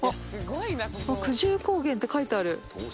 久住高原って書いてある。